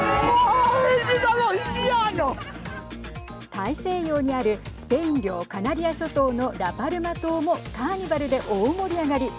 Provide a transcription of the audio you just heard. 大西洋にあるスペイン領カナリア諸島のラパルマ島もカーニバルで大盛り上がり。